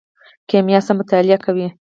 کیمیا څه مطالعه کوي؟